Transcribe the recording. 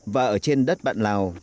và ở trên đất bạn lào